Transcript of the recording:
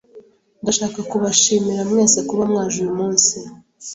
Ndashaka kubashimira mwese kuba mwaje uyu munsi.